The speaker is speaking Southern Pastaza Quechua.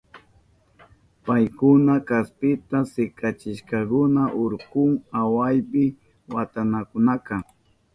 Paykuna kaspita sikachishkakuna urkun awapi watanankunapa.